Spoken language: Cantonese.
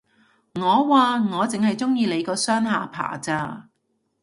我話，我剩係鍾意你個雙下巴咋